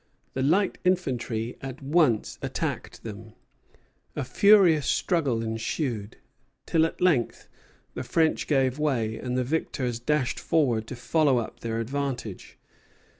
The light infantry at once attacked them. A furious struggle ensued, till at length the French gave way, and the victors dashed forward to follow up their advantage.